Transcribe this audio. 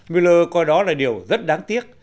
miller coi đó là điều rất đáng tiếc